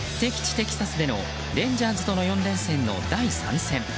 テキサスでのレンジャーズとの４連戦の第３戦。